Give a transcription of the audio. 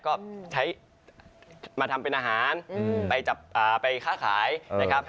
ก็ใช้มาทำเป็นอาหารไปค้าขายนะครับ